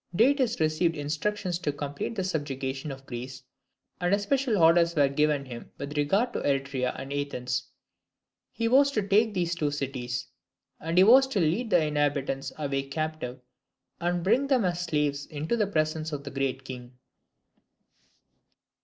Datis received instructions to complete the subjugation of Greece, and especial orders were given him with regard to Eretria and Athens. He was to take these two cities; and he was to lead the inhabitants away captive, and bring them as slaves into the presence of the Great King.